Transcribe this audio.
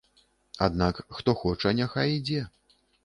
Аднак, хто хоча, няхай ідзе.